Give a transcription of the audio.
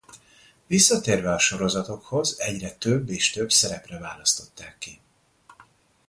Visszatérve a sorozatokhoz egyre több és több szerepre választották ki.